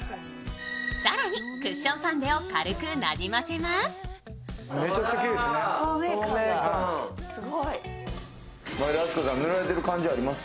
更にクッションファンデを軽くなじませます。